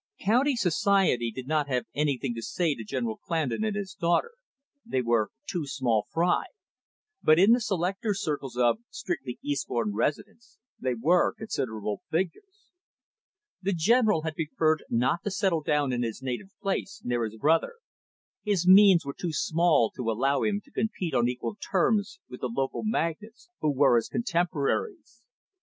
County society did not have anything to say to General Clandon and his daughter, they were too small fry, but in the selecter circles of strictly Eastbourne residents they were considerable figures. The General had preferred not to settle down in his native place, near his brother. His means were too small to allow him to compete on equal terms with the local magnates who were his contemporaries.